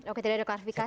oke tidak ada klarifikasi